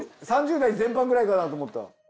３０代前半くらいかなと思った。